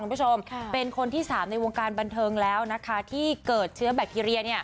คุณผู้ชมเป็นคนที่๓ในวงการบันเทิงแล้วนะคะที่เกิดเชื้อแบคทีเรีย